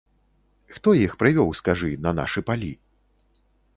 Хто іх прывёў, скажы, на нашы палі?